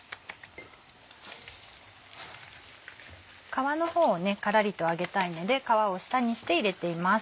皮の方をカラリと揚げたいので皮を下にして入れています。